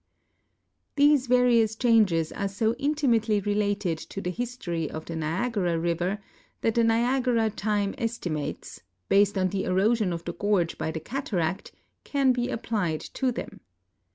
These various changes are so intimately related to the iiistt)ry of the Niagara river that the Niagara time estimates, hased on the erosion of the gorge by the cataract, can he applied to them.